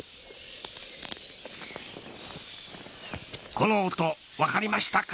この音、分かりましたか？